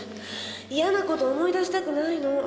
嫌な事思い出したくないの。